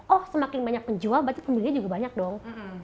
oh semakin banyak penjual berarti pembelinya juga banyak dong